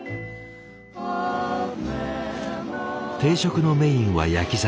定食のメインは焼き魚。